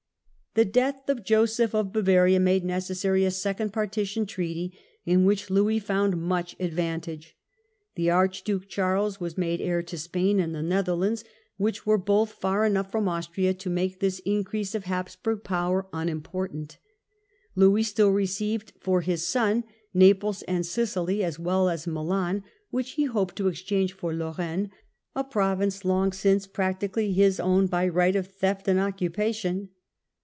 . The death of Joseph of Bavaria made necessary a Second Partition Treaty, in which Louis found much advantage. The Archduke Charles was made second Paiti heir to Spain and the Netherlands, which were °*^' '7<» both far enough from Austria to make this increase of Hapsburg power unimportant. Louis still received for his son Naples and Sicily, as well as Milan, which he hoped to exchange for I^orraine, a province long since practically his own by right of theft and occupation.